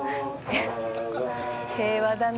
「平和だな」